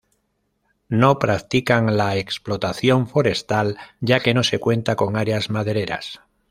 No practican la explotación forestal ya que no se cuenta con áreas madereras.